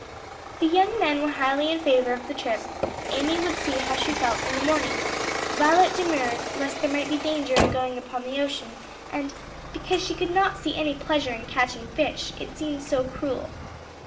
The young men were highly in favor of the trip; Amy would see how she felt in the morning; Violet demurred, lest there might be danger in going upon the ocean, and "because she could not see any pleasure in catching fish; it seemed so cruel."